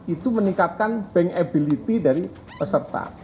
itu meningkatkan bankability dari peserta